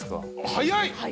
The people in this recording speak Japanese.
早い。